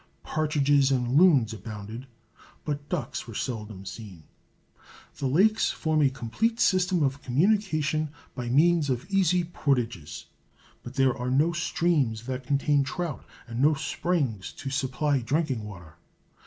Partridges and loons abounded, but ducks were seldom seen. The lakes form a complete system of communication by means of easy portages, but there are no streams that contain trout and no springs to supply drinking water.